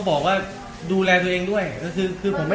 โปรดติดตามต่อไป